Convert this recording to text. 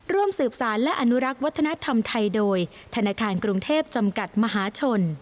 ร่วมสืบสารและอนุรักษ์วัฒนธรรมไทยโดยธนาคารกรุงเทพจำกัดมหาชน